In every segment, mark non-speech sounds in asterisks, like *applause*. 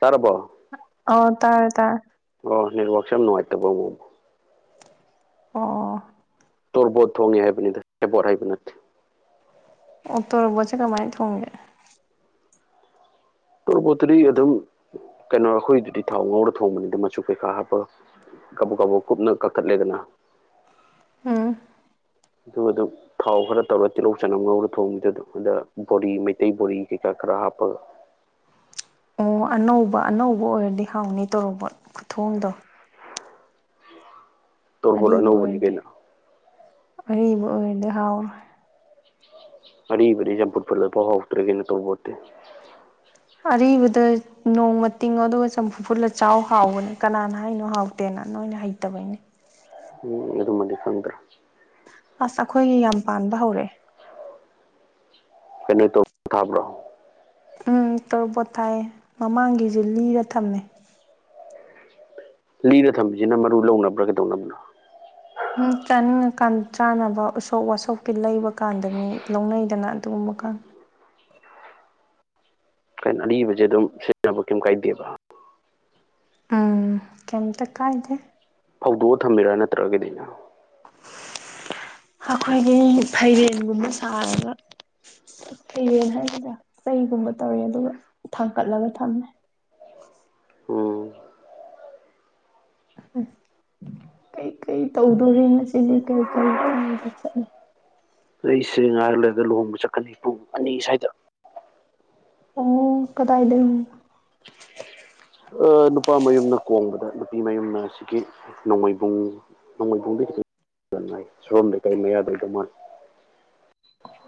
ꯇꯥꯔꯕꯣ ꯑꯣ ꯇꯥꯔꯦ ꯇꯥꯔꯦ ꯑꯣ ꯅꯦꯠꯋꯥꯛꯁ ꯌꯥꯝ ꯅꯨꯡꯉꯥꯏꯇꯕ ꯑꯃꯨꯛ ꯑꯣ ꯑꯣ ꯇꯣꯔꯕꯣꯠ ꯊꯣꯡꯉꯦ ꯍꯥꯏꯕꯅꯤꯗ ꯍꯦꯕꯣꯠ ꯍꯥꯏꯕ ꯅꯠꯇꯦ ꯑꯣꯛꯇꯣꯔꯕꯣꯠꯁꯦ ꯀꯃꯥꯏꯅ ꯊꯣꯡꯒꯦ ꯇꯣꯔꯕꯣꯠꯇꯨꯗꯤ ꯑꯗꯨꯝ ꯀꯩꯅꯣ ꯑꯩꯈꯣꯏꯗꯨꯗꯤ ꯊꯥꯎ ꯉꯧꯔ ꯊꯣꯡꯕꯅꯤꯗ ꯃꯆꯨ ꯀꯩꯀꯥ ꯍꯥꯞꯄ ꯀꯕꯨꯞ ꯀꯥꯕꯨꯞ ꯀꯨꯞꯅ ꯀꯛꯈꯠꯂꯦꯗꯅ ꯑꯝ ꯑꯗꯨ ꯑꯗꯨ ꯊꯥꯎ ꯈꯔ ꯇꯧꯔ ꯇꯤꯜꯍꯧ ꯆꯅꯝ ꯉꯧꯔ ꯊꯣꯡꯕꯗ ꯑꯗꯨ ꯑꯗ ꯕꯣꯔꯤ ꯃꯩꯇꯩ ꯕꯣꯔꯤ ꯀꯩꯀꯥ ꯈꯔ ꯍꯥꯞꯄꯒ ꯑꯣ ꯑꯅꯧꯕ ꯑꯅꯧꯕ ꯑꯣꯏꯔꯗꯤ ꯍꯥꯎꯅꯤ ꯇꯧꯔꯕꯣꯠ ꯈꯨꯊꯣꯡꯗꯣ ꯇꯣꯔꯕꯣꯠ ꯑꯔꯤꯕ ꯑꯅꯧꯕꯅꯤ ꯑꯣꯏꯔꯗꯤ ꯀꯩꯅꯣ ꯑꯔꯤꯕ ꯑꯣꯏꯔꯗꯤ ꯍꯥꯎꯔꯣꯏ ꯑꯔꯤꯕꯅꯤ ꯆꯝꯐꯨꯠ ꯐꯨꯠꯂ ꯐꯥꯎ ꯍꯥꯎꯗ꯭ꯔꯦ ꯀꯩꯅꯣ ꯇꯣꯕꯣꯠꯇꯤ ꯑꯔꯤꯕꯗ ꯅꯣꯡꯃ ꯇꯤꯡꯉꯣ ꯑꯗꯨꯒ ꯆꯝꯐꯨꯠ ꯐꯨꯠꯂꯆꯥꯎ ꯍꯥꯎꯕꯅꯦ ꯀꯅꯥꯅ ꯍꯥꯏꯅꯣ ꯍꯥꯎꯇꯦꯅ ꯅꯣꯏꯅ ꯍꯩ ꯇꯕꯩꯅꯤ ꯎꯝ ꯑꯗꯨꯃꯗꯤ ꯈꯪꯗ꯭ꯔꯦ ꯑꯁ ꯑꯩꯈꯣꯏꯒꯤ ꯌꯥꯝ ꯄꯥꯟꯕ ꯍꯧꯔꯛꯑꯦ ꯀꯩꯅꯣ ꯇꯧꯕ ꯇꯥꯕ꯭ꯔꯣ ꯎꯝ ꯇꯣꯔꯕꯣꯠ ꯊꯥꯏꯌꯦ ꯃꯃꯥꯡꯒꯤꯁꯨ ꯂꯤꯔ ꯊꯝꯃꯦ ꯂꯤꯔ ꯊꯝꯃꯤꯁꯤꯅ ꯃꯔꯨ ꯂꯧꯅꯕ꯭ꯔꯥ ꯀꯩꯗꯧꯅꯕꯅꯣ ꯆꯥꯅꯤꯡꯉꯀꯥꯟ ꯆꯥꯅꯕ ꯎꯁꯣꯞ ꯋꯥꯁꯣꯞꯀꯤ ꯂꯩꯕ ꯀꯥꯟꯗ ꯃꯤ ꯂꯧꯅꯩꯗꯅ ꯑꯗꯨꯒꯨꯝꯕ ꯀꯥꯟ ꯀꯩꯅꯣ ꯑꯔꯤꯕꯁꯦ ꯑꯗꯨꯝ ꯁꯤꯖꯤꯟꯅꯕ ꯀꯩꯝ ꯀꯥꯏꯗꯦꯕ ꯎꯝ ꯀꯩꯝꯇ ꯀꯥꯏꯗꯦ ꯐꯧꯗꯣꯛꯑ ꯊꯝꯃꯤꯔ ꯅꯠꯇ꯭ꯔꯒ ꯀꯩꯗꯧꯔꯤꯅꯣ ꯑꯩꯈꯣꯏꯒꯤ ꯐꯩꯔꯦꯡꯒꯨꯝꯕ ꯁꯥꯔꯒ ꯍꯦ ꯍꯥꯏꯒ꯭ꯔ ꯆꯩꯒꯨꯝꯕ ꯇꯧꯔꯦ ꯑꯗꯨꯒ ꯊꯥꯡꯀꯠꯂꯒ ꯊꯝꯃꯦ ꯎꯝ ꯑ ꯀꯩꯀꯩ ꯇꯧꯗꯣꯔꯤ ꯉꯁꯤꯗꯤ ꯀꯩꯀꯩ ꯀꯥꯏꯗ ꯆꯠꯂ ꯑꯩꯁꯦ ꯉꯥꯏꯔꯂꯗ ꯂꯨꯍꯣꯡꯕ ꯆꯠꯀꯅꯤ ꯄꯨꯡ ꯑꯅꯤ ꯁ꯭ꯋꯥꯏꯗ ꯑꯣ ꯀꯗꯥꯏꯗ *unintelligible* ꯅꯨꯄꯥ ꯃꯌꯨꯝꯅ ꯀꯣꯡꯕꯗ ꯅꯨꯄꯤ ꯃꯌꯨꯝꯅ ꯑꯁꯤꯒꯤ ꯅꯣꯡꯃꯩꯕꯨꯡ ꯅꯉꯣꯏ ꯄꯨꯝꯕꯤꯗꯥꯏ ꯁꯣꯔꯣꯝꯗꯩ ꯀꯔꯤ ꯃꯌꯥꯗꯣꯏꯗꯣ ꯃꯥꯜ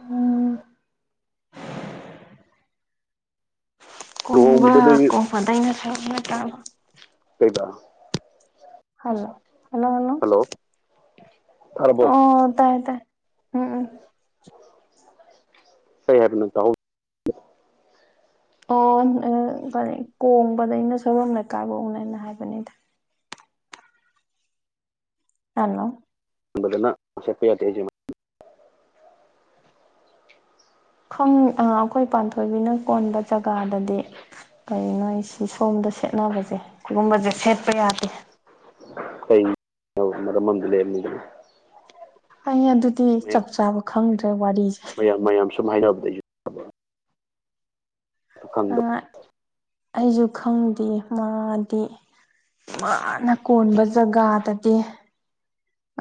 ꯎꯝ ꯀꯣꯡꯕ ꯂꯨꯍꯣꯡꯕꯗꯨꯗꯤ ꯀꯣꯕꯗꯩꯅ ꯁꯕ ꯇ ꯀꯩꯕ ꯍꯜꯂꯣ ꯍꯜꯂꯣꯍꯜꯂꯣ ꯍꯜꯂꯣ ꯇꯥꯔꯕꯣ ꯑꯣ ꯇꯥꯏ ꯇꯥꯏ ꯎꯝ ꯎꯝ ꯀꯩ ꯍꯥꯏꯕꯅꯣ ꯇꯥꯍꯧ ꯑꯣ ꯀꯔꯤ ꯀꯣꯡꯕꯗꯩꯅ ꯁꯣꯏꯕꯝ ꯂꯩꯀꯥꯏꯕ ꯎꯅꯁꯦ ꯍꯥꯏꯕꯅꯤꯗ ꯍꯜꯂꯣ ꯐꯖꯅ *unintelligible* ꯑꯩꯈꯣꯏ ꯄꯥꯟꯊꯣꯏꯕꯤꯅ ꯀꯣꯟꯕ ꯖꯒꯥꯗꯗꯤ ꯀꯩ ꯅꯣ ꯁꯤ ꯁꯣꯝꯗ ꯁꯦꯠꯅꯕꯁꯦ ꯁꯤꯒꯨꯝꯕꯁꯦ ꯁꯦꯠꯄ ꯌꯥꯗꯦ ꯀꯩ ꯃꯔꯝ ꯑꯃ ꯂꯩꯔꯝꯃꯤꯗꯅ ꯑꯩ ꯑꯗꯨꯗꯤ ꯆꯞ ꯆꯥꯕ ꯈꯪꯗ꯭ꯔꯦ ꯋꯥꯔꯤꯁꯦ ꯃꯌꯥꯝ ꯃꯌꯥꯝ ꯁꯨꯝ ꯍꯥꯏꯅꯕꯗꯒꯤ ꯑ ꯈꯪꯗꯕ ꯑꯩꯁꯨ ꯈꯪꯗꯦ ꯃꯥꯗꯤ ꯃꯥꯅ ꯀꯣꯟꯕ ꯖꯒꯥꯗꯗꯤ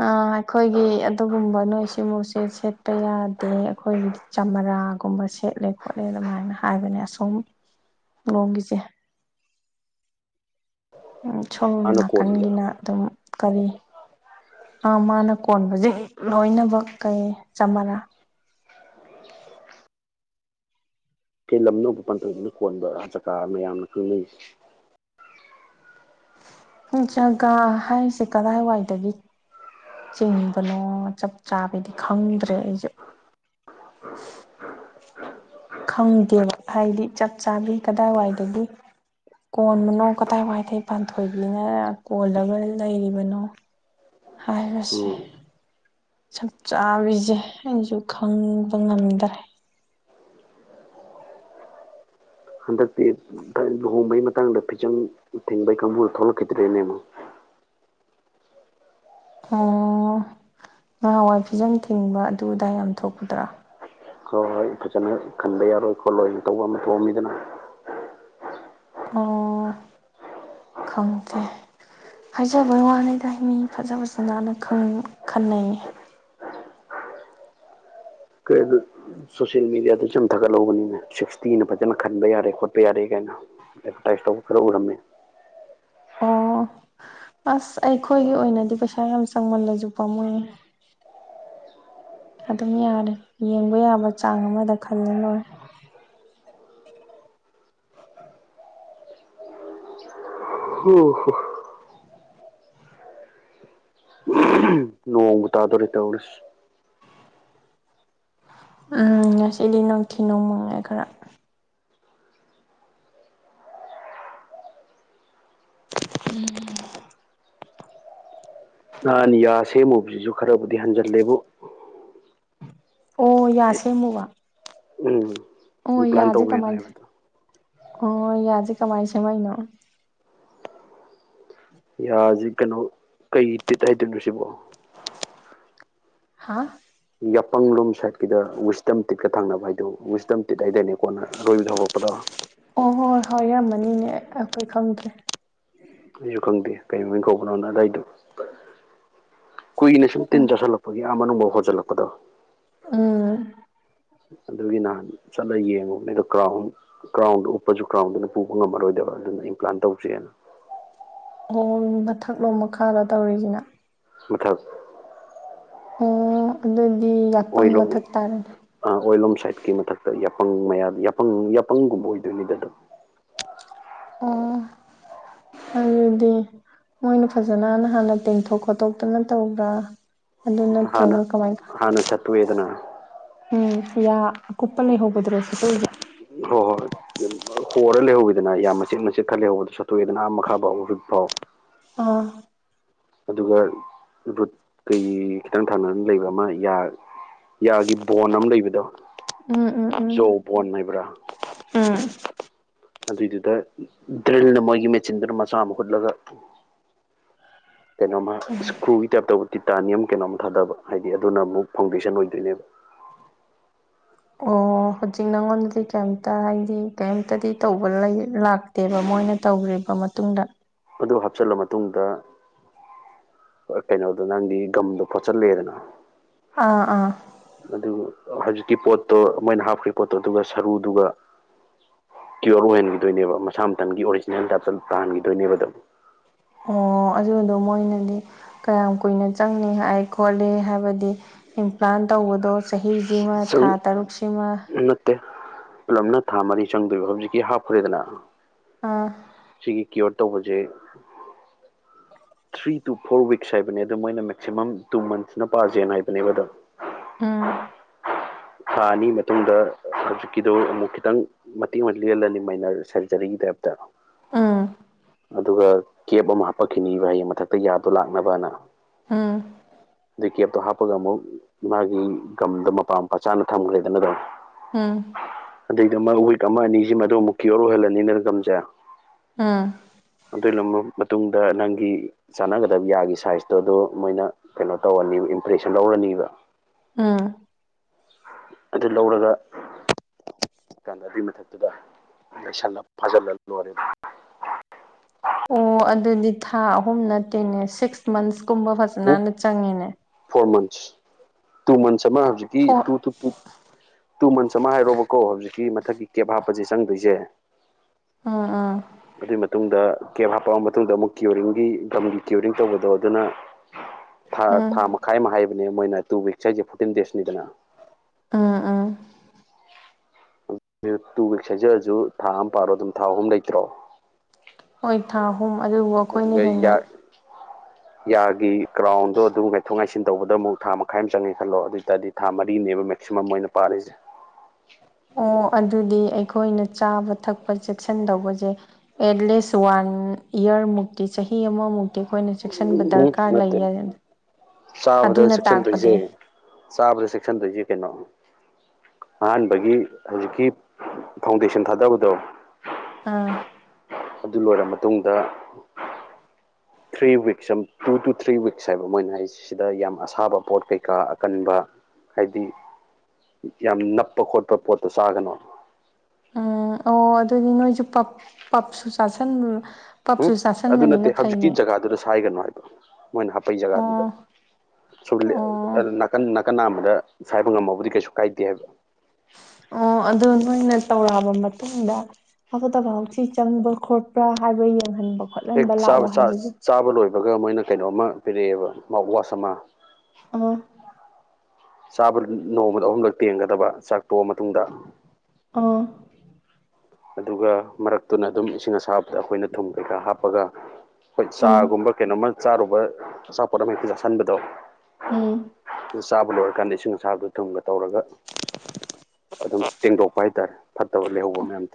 ꯑꯥ ꯑꯩꯈꯣꯏꯒꯤ ꯑꯗꯨꯒꯨꯝꯕ ꯅꯣꯏꯁꯤ ꯁꯤꯃꯨꯁꯦ ꯁꯦꯠꯄ ꯌꯥꯗꯦ ꯑꯩꯈꯣꯏꯒꯤ ꯆꯝꯃꯔꯥꯒꯨꯝꯕ ꯁꯦꯠꯂꯦ ꯈꯣꯠꯂꯦ ꯑꯗꯨꯃꯥꯏꯅ ꯍꯥꯏꯕꯅꯦ ꯑ ꯁꯣ ꯂꯣꯡꯒꯤꯁꯦ ꯁꯣꯝ ꯃꯥꯅ ꯀꯣꯜꯂꯤꯁꯦ ꯅꯥꯀꯟꯒꯤꯅ ꯑꯗꯨꯝ ꯀꯔꯤ ꯑ ꯃꯥꯅ ꯀꯣꯟꯕꯁꯦ ꯂꯣꯏꯅꯃꯛ ꯀꯩ ꯆꯃꯥꯟꯂꯥ ꯀꯩ ꯂꯝ ꯅꯅꯕ ꯄꯟꯊꯛꯅ ꯀꯣꯟꯕ ꯆꯖꯀꯥ ꯃꯌꯥꯝꯅ ꯈꯪꯅꯩꯁꯦ ꯖꯒꯥ ꯍꯥꯏꯔꯤꯁꯦ ꯀꯗꯥꯏꯋꯥꯏꯗꯒꯤ ꯆꯤꯡꯕꯅꯣ ꯆꯞ ꯆꯥꯕꯤꯗꯤ ꯈꯪꯗ꯭ꯔꯦ ꯑꯩꯁꯦ ꯈꯪꯗꯦꯕ ꯍꯥꯏꯗꯤ ꯆꯞ ꯆꯥꯕꯤ ꯀꯗꯥꯏꯋꯥꯏꯗꯒꯤ ꯀꯣꯟꯕꯅꯣ ꯀꯗꯥꯏ ꯋꯥꯏꯊꯩ ꯄꯥꯟꯊꯣꯏꯕꯤꯅ ꯀꯣꯜꯂꯒ ꯂꯩꯔꯤꯕꯅꯣ ꯎ ꯍꯥꯏꯔꯁꯦ ꯆꯞ ꯆꯥꯕꯤꯁꯦ ꯑꯩꯁꯨ ꯈꯪꯕ ꯉꯝꯗ꯭ꯔꯦ ꯍꯟꯗꯛꯇꯤ ꯂꯨꯍꯣꯡꯕꯩ ꯃꯇꯥꯡꯗ ꯐꯤꯖꯪ ꯊꯤꯡꯕꯒꯤ ꯀꯥꯡꯕꯨꯗꯨ ꯊꯣꯛꯂꯛꯈꯤꯗ꯭ꯔꯦꯅꯦꯕꯣ ꯑꯣ ꯉꯍꯥꯟꯋꯥꯏ ꯐꯤꯖꯪ ꯊꯤꯡꯕ ꯑꯗꯨ ꯑꯗꯥꯏ ꯌꯥꯝ ꯊꯣꯛꯄꯗ꯭ꯔꯥ ꯍꯣꯏ ꯍꯣꯏ ꯐꯖꯅ ꯈꯟꯕ ꯌꯥꯔꯣꯏ ꯈꯣꯠꯂꯣꯏꯅ ꯇꯧꯕ ꯑꯃ ꯊꯣꯛꯑꯝꯃꯤꯗꯅ ꯑꯣ ꯈꯪꯗꯦ ꯍꯥꯏꯖꯕ ꯋꯥꯅꯤꯗ ꯃꯤ ꯐꯖ ꯐꯖ ꯅꯥꯟꯅ ꯈꯟꯅꯩꯌꯦ ꯀꯩ ꯑꯗꯨ ꯁꯣꯁꯤꯌꯦꯜ ꯃꯦꯗꯤꯌꯥꯗ ꯆꯨꯝꯊꯒꯠꯂꯧꯕꯅꯤꯅꯦ ꯁꯤꯛꯁꯇꯤꯅ ꯐꯖꯅ ꯈꯟꯕ ꯌꯥꯔꯦ ꯈꯣꯠꯄ ꯌꯥꯔꯦ ꯀꯥꯏꯅ ꯑꯦꯗꯚꯔꯇꯥꯏꯁ ꯇꯧꯕ ꯈꯔ ꯎꯔꯝꯃꯦ ꯑꯣ ꯑꯁ ꯑꯩꯈꯣꯏꯒꯤ ꯑꯣꯏꯅꯗꯤ ꯄꯩꯁꯥ ꯌꯥꯝ ꯆꯪꯃꯜꯂꯁꯨ ꯄꯥꯝꯃꯨꯌꯦ ꯑꯗꯨꯝ ꯌꯥꯔꯦ ꯌꯦꯡꯕ ꯌꯥꯕ ꯆꯥꯡ ꯑꯃꯗ ꯈꯜꯂ ꯂꯣꯏꯔ ꯍ ꯍꯣ ꯅꯣꯡꯕꯨ ꯇꯥꯗꯣꯔꯦ ꯇꯧꯔ ꯎꯝ ꯉꯁꯤꯗꯤ ꯅꯨꯡꯊꯤ ꯅꯣꯡꯃꯉꯥꯏ ꯈꯔ ꯎꯝ ꯅꯍꯥꯟ ꯌꯥ ꯁꯦꯝꯃꯨꯕꯁꯤꯁꯨ ꯈꯔꯕꯨꯗꯤ ꯍꯟꯖꯤꯜꯂꯦꯕꯨ ꯑꯣ ꯌꯥ ꯁꯦꯝꯃꯨꯕ ꯎꯝ ꯑꯣ ꯏꯝꯄ꯭ꯂꯥꯟ ꯌꯥꯁꯦ ꯇꯧꯒꯦꯅ ꯀꯃꯥꯏ ꯍꯥꯏꯕꯗꯣ ꯑꯣ ꯌꯥꯁꯦ ꯀꯃꯥꯏꯅ ꯁꯦꯝꯃꯛꯏꯅꯣ ꯌꯥꯔꯁꯤ ꯀꯩꯅꯣ ꯀꯩ ꯇꯤꯠ ꯍꯥꯏꯗꯣꯏꯅꯣ ꯁꯤꯕꯣ ꯍꯥꯥ ꯌꯥꯄꯪꯂꯣꯝ ꯁꯥꯠꯀꯤꯗ ꯋꯤꯁꯇꯝ ꯇꯤꯠꯀ ꯊꯪꯅꯕ ꯍꯥꯏꯗꯣ ꯋꯤꯁꯇꯝ ꯇꯤꯠ ꯍꯥꯏꯗꯔꯅꯦ ꯀꯣꯟꯅ ꯑꯔꯣꯏꯕꯗ ꯍꯧꯔꯛꯄꯗ ꯑꯣ ꯍꯣꯏ ꯍꯣꯏ ꯍꯣꯏ ꯏꯔꯃꯅꯤꯅꯦ ꯑꯩꯈꯣꯏ ꯈꯪꯗꯦ ꯑꯩꯁꯨ ꯈꯪꯗꯦ ꯀꯩ ꯀꯧꯕꯅꯣꯅ ꯑꯗꯥꯏꯗꯨ ꯀꯨꯏꯅ ꯁꯨꯝ ꯇꯤꯟ ꯑꯣ ꯆꯥꯁꯤꯜꯂꯛꯄ ꯑꯩꯈꯣꯏꯒꯤ ꯌꯥꯝ ꯃꯅꯨꯡ ꯍꯟꯖꯤꯜꯂꯛꯄꯗꯣ ꯎꯝ ꯑꯗꯨꯒꯤ ꯅꯍꯥꯟ ꯆꯠꯂꯒ ꯌꯦꯡꯉꯨꯕꯅꯦꯗꯣ ꯀ꯭ꯔꯥꯎꯟ ꯀ꯭ꯔꯥꯎꯟꯣ ꯎꯞꯄꯁꯨ ꯀ꯭ꯔꯥꯎꯟꯗꯨꯅ ꯄꯨꯕ ꯉꯝꯃꯔꯣꯏꯗꯕ ꯑꯗꯨꯅ ꯑꯩꯝ ꯄ꯭ꯂꯥꯟ ꯇꯧꯁꯦꯅ ꯑꯣ ꯃꯊꯛꯂꯣꯝ ꯃꯈꯥꯗ ꯇꯧꯔꯤꯁꯤꯅ ꯃꯊꯛ ꯑꯣ ꯑꯗꯨꯗꯤ ꯌꯥꯥꯛꯄꯪ ꯃꯊꯛ ꯇꯥꯔꯅꯦ ꯑ ꯑꯣꯏꯂꯣꯝ ꯁꯥꯏꯠꯀꯤ ꯃꯊꯛꯇ ꯌꯥꯄꯪꯪ ꯌꯥꯄꯪꯒꯨꯝꯕ ꯑꯣꯏꯗꯣꯏꯅꯤꯗ ꯑꯗꯨꯝ *inaudible* ꯍꯥꯏꯗꯤ ꯃꯣꯏꯅ ꯐꯖꯅꯅ ꯍꯥꯟꯅ ꯇꯦꯡꯊꯣꯛ ꯈꯣꯠꯇꯣꯛꯇꯅ ꯇꯧꯕ꯭ꯔꯥ ꯑꯗꯨ ꯅꯠꯇ꯭ꯔꯒ ꯀꯃꯥꯏꯧ ꯋꯦꯗꯅꯥ ꯎꯝ ꯌꯥ ꯈꯨꯄ ꯂꯩ ꯍꯗ꯭ꯔꯣ ꯁꯇꯣꯦ ꯍ ꯍꯣꯏ ꯍꯣꯔꯔ ꯂꯩꯍꯧꯤꯗꯅ ꯌꯥꯝꯅꯆꯤꯛꯅꯆꯦꯠ ꯈꯔ ꯂꯩꯍꯧꯕꯗꯣ ꯆꯠꯇꯣꯛꯑꯦꯗꯅ ꯑ ꯃꯈꯥ ꯐꯥꯎ ꯍꯧꯖꯤꯛ ꯐꯥꯎ ꯑ ꯑꯗꯨꯒ ꯔꯨꯠ ꯀꯩ ꯈꯤꯇꯪ ꯊꯪꯅꯅ ꯂꯩꯕ ꯑꯃ ꯌꯥ ꯌꯥꯒꯤ ꯕꯣꯟ ꯑꯃ ꯂꯩꯕꯗꯣ ꯎꯝ ꯎꯝ ꯖꯣ ꯕꯣꯟ ꯍꯥꯏꯕ꯭ꯔꯥ ꯎꯝ ꯑꯗꯨꯏꯗꯨꯗ ꯗ꯭ꯔꯤꯜꯅ ꯃꯣꯏꯒꯤ ꯃꯦꯆꯤꯟꯗꯨꯅ ꯃꯆꯥ ꯑꯃ ꯍꯨꯠꯂꯒ ꯀꯩꯅꯣꯝꯃ ꯏꯁꯀ꯭ꯔꯨꯒꯤ ꯇꯥꯞꯇꯕꯨ ꯇꯤꯇꯥꯅꯤꯌꯝ ꯀꯩꯅꯣꯝ ꯊꯥꯗꯕ ꯍꯥꯏꯗꯤ ꯑꯗꯨꯅ ꯑꯃꯨꯛ ꯐꯥꯎꯟꯗꯦꯁꯟ ꯑꯣꯏꯗꯣꯏꯅꯦꯕ ꯑꯣ ꯍꯧꯖꯤꯛ ꯅꯪꯉꯣꯟꯗꯗꯤ ꯀꯩꯝꯇ ꯍꯥꯏꯗꯤ ꯀꯩꯝꯇꯗꯤ ꯇꯧꯕ ꯂꯩ ꯂꯥꯛ ꯅꯠꯇꯦꯕ ꯃꯣꯏꯅ ꯇꯧꯈꯕ ꯃꯇꯨꯡꯗ ꯑꯗꯨ ꯍꯥꯞꯆꯤꯜꯂ ꯃꯇꯨꯡꯗ ꯀꯩꯅꯣꯗꯣ ꯅꯪꯗꯤ ꯒꯝꯗꯣ ꯈꯣꯠꯆꯜꯂꯦꯗꯅ ꯑꯥ ꯑꯥ ꯑꯗꯨ ꯍꯧꯖꯤꯛꯀꯤ ꯄꯣꯠꯇꯣ ꯃꯣꯏꯅ ꯍꯥꯞꯈ꯭ꯔꯤ ꯄꯣꯠꯇꯣ ꯑꯗꯨꯒ ꯁꯔꯨꯗꯨꯒ ꯀ꯭ꯌꯣꯔꯔ ꯑꯣꯏꯍꯟꯈꯤꯗꯣꯏꯅꯦꯕ ꯃꯁꯥ ꯃꯇꯊꯟꯒꯤ ꯑꯣꯔꯤꯖꯤꯅꯦꯜ ꯇꯥꯏꯞꯇ ꯑꯗꯨ ꯇꯥꯍꯟꯈꯤꯗꯣꯏꯅꯦꯕꯗ ꯑꯣ ꯑꯗꯨꯗꯣ ꯃꯣꯏꯅꯗꯤ ꯀꯌꯥꯝ ꯀꯨꯏꯅ ꯆꯪꯅꯤ ꯍꯥꯏ ꯈꯣꯠꯂꯤ ꯍꯥꯏꯕꯗꯤ ꯏꯝꯄ꯭ꯂꯥꯟ ꯇꯧꯕꯗꯣ ꯆꯍꯤꯁꯤꯃ ꯆꯪ ꯊꯥ ꯇꯔꯨꯛꯁꯤꯃ ꯅꯠꯇꯦ ꯄꯨꯂꯞꯅ ꯊꯥ ꯃꯔꯤ ꯆꯪꯗꯣꯏꯕ ꯍꯧꯖꯤꯛꯀꯤ ꯍꯥꯞꯈ꯭ꯔꯦꯗꯅ ꯑꯥ ꯀ꯭ꯌꯣꯔ ꯇꯧꯕꯁꯦ ꯊ꯭ꯔꯤ ꯇꯨ ꯐꯣꯔ ꯋꯤꯛꯁ ꯍꯥꯏꯕꯅꯦ ꯑꯗ ꯃꯣꯏꯅ ꯃꯦꯛꯁꯤꯃꯝ ꯇꯨ ꯃꯟꯁꯅ ꯄꯥꯖꯦꯅ ꯍꯥꯏꯕꯅꯦꯕ ꯑꯗꯣ ꯑꯥ ꯊꯥ ꯑꯅꯤ ꯃꯇꯨꯡꯗ ꯍꯧꯖꯤꯛꯀꯤꯗꯨ ꯑꯃꯨꯛ ꯈꯤꯇꯪ ꯃꯇꯦꯡ ꯑꯃ ꯂꯦꯜꯂꯅꯤ ꯃꯥꯏꯅꯔ ꯁꯔꯖꯔꯤꯗ ꯎꯝ ꯑꯗꯨꯒ ꯀꯦꯞ ꯑꯃ ꯍꯥꯞꯄꯛꯈꯤꯅꯤꯕ ꯍꯌꯦꯡ ꯃꯊꯛꯇ ꯌꯥꯗ ꯇꯨ ꯂꯥꯛꯅꯕ ꯍꯥꯏꯅ ꯑꯝ ꯑꯗꯩ ꯀꯦꯞꯇꯣ ꯍꯥꯞꯄꯒ ꯑꯃꯨꯛ ꯃꯥꯒꯤ ꯒꯝꯗ ꯃꯄꯥꯝ ꯃꯆꯥꯅ ꯊꯝꯒ꯭ꯔꯦꯗꯅ ꯑꯗꯨꯝ ꯎꯝ ꯑꯗꯩꯗ ꯑꯃ ꯋꯤꯛ ꯑꯃ ꯑꯅꯤꯁꯤꯃꯗ ꯑꯃꯨꯛ ꯀꯤꯌꯣꯔ ꯑꯣꯏꯍꯜꯂꯅꯤꯅ ꯒꯝꯁꯦ *unintelligible* ꯑꯗꯨ ꯂꯨꯝꯕ ꯃꯇꯨꯡꯗ ꯅꯪꯒꯤ ꯆꯥꯟꯅꯒꯗꯕ ꯌꯥꯒꯤ ꯁꯥꯏꯖꯇꯣ ꯑꯗꯨ ꯃꯣꯏꯅ ꯀꯩꯅꯣ ꯇꯧꯔꯅꯤꯕ ꯏꯝꯄ꯭ꯔꯦꯁꯟ ꯂꯧꯔꯅꯤꯕ ꯎꯝ ꯑꯗꯨ ꯂꯧꯔꯒ ꯀꯥꯟꯗ ꯑꯗꯨꯏ ꯃꯊꯛꯇꯨꯗ ꯂꯁꯟꯅ ꯐꯥꯖꯜꯂꯒ ꯂꯣꯏꯔꯦꯗ ꯑꯣ ꯑꯗꯨꯗꯤ ꯊꯥ ꯑꯍꯨꯝ ꯅꯠꯇꯦꯅꯦ ꯁꯤꯛꯁ ꯃꯟꯁꯀꯨꯝꯕ ꯐꯖꯅꯅ ꯆꯪꯉꯦꯅꯦ ꯐꯣꯔ ꯃꯟꯁ ꯇꯨ ꯃꯟꯁ ꯑꯃ ꯍꯧꯖꯤꯛꯀꯤ four two two two two months ꯑꯃ ꯍꯥꯏꯔꯣꯕꯀꯣ ꯍꯧꯖꯤꯛꯀꯤ ꯃꯊꯛꯀꯤ ꯀꯦꯕ ꯍꯥꯞꯄꯁꯦ ꯆꯪꯗꯣꯏꯁꯦ ꯎꯥ ꯑꯥ ꯑꯗꯨꯏ ꯃꯇꯨꯡꯗ ꯀꯦꯞ ꯍꯥꯞꯄꯛꯑꯕ ꯃꯇꯨꯡꯗ ꯑꯃꯨꯛ ꯀꯤꯌꯔꯤꯡꯒꯤ ꯒꯝꯒꯤ ꯀ꯭ꯌꯣꯔꯤꯡ ꯇꯧꯕꯗꯣ ꯑꯗꯨꯅ ꯥ ꯎꯝ ꯊꯥ ꯃꯈꯥꯏ ꯑꯃ ꯍꯥꯏꯕꯅꯦ ꯃꯣꯏꯅ ꯇꯨ ꯋꯤꯛꯁ ꯍꯥꯏꯁꯦ ꯐꯣꯔꯇꯤꯟ ꯗꯦꯖꯅꯤꯗꯅ ꯑꯥ ꯑꯥ *unintelligible* ꯇꯨ ꯋꯤꯛꯁ ꯍꯥꯏꯖꯔꯁꯨ ꯊꯥ ꯑꯃ ꯄꯥꯔꯣ ꯑꯗꯨꯝ ꯊꯥ ꯑꯍꯨꯝ ꯂꯩꯇ꯭ꯔꯣ ꯍꯣꯏ ꯊꯥ ꯑꯍꯨꯝ ꯑꯗꯨꯕꯨ ꯑꯩꯈꯣꯏꯅ ꯑꯗꯨꯒ ꯍꯦꯟꯅ ꯌꯥꯒꯤ ꯀ꯭ꯔꯥꯎꯟꯗꯣ ꯑꯗꯨ ꯉꯥꯏꯊꯣꯛ ꯉꯥꯏꯁꯤꯟ ꯇꯧꯕꯗ ꯑꯃꯨꯛ ꯊꯥ *unintelligible* *unintelligible* ꯑꯃ ꯆꯪꯉꯦ ꯈꯜꯂꯣ ꯑꯗꯨ ꯑꯣꯏꯇꯥꯔꯗꯤ ꯊꯥ ꯃꯔꯤꯅꯦꯕ ꯃꯦꯛꯁꯤꯃꯝ ꯑꯣꯏꯅ ꯄꯥꯔꯤꯁꯦ ꯑꯣ ꯑꯗꯨꯗꯤ ꯑꯩꯈꯣꯏꯅ ꯆꯥꯕ ꯊꯛꯄ ꯆꯦꯛꯁꯤꯟ ꯗꯧꯕꯁꯦ ꯑꯦꯠ ꯂꯤꯁ ꯋꯥꯟ ꯏꯌꯥꯔꯃꯨꯛꯇꯤ ꯆꯍꯤ ꯑꯃꯃꯨꯛ ꯑꯩꯈꯣꯏꯅ ꯆꯦꯛꯁꯤꯟꯕ ꯎꯝ ꯗꯔꯀꯥꯔ ꯅꯠꯇꯦ ꯂꯩꯌꯦ *unintelligible* ꯆꯥꯕꯗ ꯑꯗꯨꯅ ꯇꯥꯛꯄꯗꯤ ꯆꯦꯛꯁꯤꯟꯗꯣꯏꯁꯦ ꯆꯥꯕꯗ ꯆꯦꯛꯁꯟꯗꯣꯏꯁꯦ ꯀꯩꯅꯣ ꯑꯍꯥꯟꯕꯒꯤ ꯍꯧꯖꯤꯛꯀꯤ ꯐꯥꯎꯟꯗꯦꯁꯟ ꯊꯥꯗꯕꯗꯣ ꯑꯥ ꯑꯗꯨ ꯂꯣꯏꯔ ꯃꯇꯨꯡꯗ ꯊ꯭ꯔꯤ ꯋꯤꯛꯁꯝ ꯇꯨ ꯇꯨ ꯊ꯭ꯔꯤ ꯋꯤꯛꯁ ꯍꯥꯏꯕ ꯃꯣꯏꯅ ꯍꯥꯏꯖꯦ ꯁꯤꯗ ꯌꯥꯝ ꯑꯁꯥꯕ ꯄꯣꯠ ꯀꯩꯀꯥ ꯑꯀꯟꯕ ꯍꯥꯏꯗꯤ ꯌꯥꯝ ꯅꯞꯄ ꯈꯣꯠꯄ ꯄꯣꯠꯇꯣ ꯆꯥꯒꯅꯣ ꯎꯝ ꯑꯣ ꯑꯗꯨꯗꯤ ꯅꯣꯏꯁꯨ ꯄꯞ ꯄꯞꯁꯨ ꯆꯥꯁꯟ ꯍꯨꯝ ꯄꯞꯁꯨ ꯑꯗꯨ ꯆꯥꯁꯟꯕꯅꯤꯅ ꯅꯠꯇꯦ ꯍꯧꯖꯤꯛꯀꯤ ꯐꯩꯅꯦ ꯖꯒꯥꯗꯨꯗ ꯁꯥꯏꯒꯅꯨ ꯍꯥꯏꯕ ꯃꯣꯏꯅ ꯍꯥꯄꯛꯏ ꯑꯣ ꯖꯒꯥꯗꯨꯗ ꯁꯨꯞ ꯂꯦ ꯑꯣ ꯅꯥꯀꯟ ꯅꯥꯀꯟ ꯅꯥꯝꯃꯗ ꯁꯥꯏꯕ ꯉꯝꯃꯧꯒꯗꯤ ꯀꯩꯁꯨ ꯀꯥꯏꯗꯦ ꯍꯥꯏꯕ ꯑꯣ ꯑꯗꯨ ꯅꯣꯏꯅ ꯇꯧꯔꯛꯑꯕ ꯃꯇꯨꯡꯗ ꯑꯐꯠꯇꯕ ꯍꯥꯎꯊꯤ ꯆꯪꯕ ꯈꯣꯠꯄ꯭ꯔꯥ ꯍꯥꯏꯕ ꯌꯦꯡꯍꯟ ꯍꯦꯛ ꯆꯥꯕ ꯆꯥ ꯆꯥꯕ ꯂꯣꯏꯕꯒ ꯃꯣꯏꯅ ꯀꯩꯅꯣꯝꯃ ꯄꯤꯔꯛꯑꯦꯕ ꯃꯥꯎꯠ ꯋꯥꯁ ꯑꯃ ꯑ ꯆꯥꯕ ꯅꯣꯡꯃꯗ ꯑꯍꯨꯝꯂꯛ ꯇꯦꯡꯒꯗꯕ ꯆꯥꯛ ꯇꯣꯛꯑ ꯃꯇꯨꯡꯗ ꯑ ꯑꯗꯨꯒ ꯃꯔꯛꯇꯨꯅ ꯑꯗꯨꯝ ꯏꯁꯤꯡ ꯑꯁꯥꯕꯗ ꯑꯩꯈꯣꯏꯅ ꯊꯨꯝ ꯀꯩꯀꯥ ꯍꯥꯞꯄꯒ ꯍꯣꯏ ꯎꯝ ꯆꯥꯒꯨꯝꯕ ꯀꯩꯅꯣꯝꯃ ꯆꯥꯔꯨꯕ ꯑꯆꯥꯄꯣꯠ ꯑꯃ ꯍꯦꯛꯇ ꯆꯥꯁꯤꯟꯕꯗꯣ ꯎꯝ ꯑꯗꯨ ꯆꯥꯕ ꯂꯣꯏꯔꯀꯥꯟꯗ ꯏꯁꯤꯡ ꯑꯁꯥꯕꯗꯨ ꯊꯨꯝꯒ ꯇꯧꯔꯒ ꯑꯗꯨꯝ ꯇꯦꯡꯗꯣꯛꯄ ꯍꯥꯏꯇꯥꯔꯦ ꯐꯠꯇꯕ ꯂꯩꯍꯧꯕ ꯃꯌꯥꯝ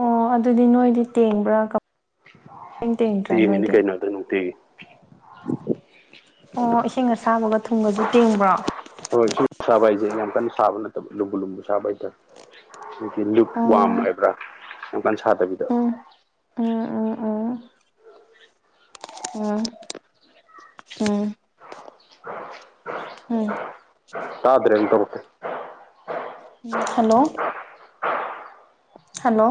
ꯑꯣ ꯑꯗꯨꯗꯤ ꯅꯣꯏꯗꯤ ꯇꯦꯡꯕ꯭ꯔ ꯀ ꯇꯦꯡꯉꯤꯅꯤ ꯀꯩꯩꯅꯣ ꯑꯗꯨ ꯅꯨꯡꯇꯤꯒꯤ ꯑꯣ ꯏꯁꯤꯡ ꯑꯁꯥꯕꯒ ꯊꯨꯝꯒꯁꯨ ꯇꯦꯡꯕ꯭ꯔꯣ ꯍꯣꯏ *unintelligible* ꯁꯥꯕ ꯍꯥꯏꯁꯦ ꯌꯥꯝ ꯀꯟꯅ ꯁꯥꯕ ꯅꯠꯇꯕ ꯂꯨꯝꯕꯨ ꯂꯨꯝꯕꯨ ꯁꯥꯕ ꯍꯥꯏꯇꯥꯔꯦ *unintelligible* ꯂꯨꯞ ꯑꯣ ꯋꯥꯝ ꯎꯝ ꯍꯥꯏꯕ꯭ꯔꯥ ꯌꯥꯝꯀꯥꯟ ꯁꯥꯗꯕꯤꯗꯣ ꯎꯝ ꯎꯝ ꯎꯝ ꯎꯝ ꯎꯝ *unintelligible* ꯎꯝ ꯇꯥꯗ꯭ꯔꯦꯟ ꯇꯧꯔꯛꯇꯦ ꯎꯝ ꯍꯜꯂꯣ ꯍꯜꯂꯣ